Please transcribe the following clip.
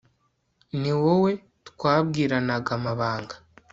ni wowe twabwiranaga amabanga